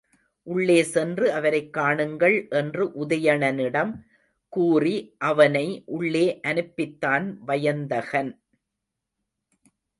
உள்ளே சென்று அவரைக் காணுங்கள் என்று உதயணனிடம் கூறி அவனை உள்ளே அனுப்பித்தான் வயந்தகன்.